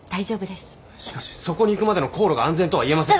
しかしそこに行くまでの航路が安全とは言えません。